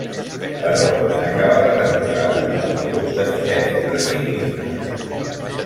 Però en acabar la temporada el club decideix prescindir-ne.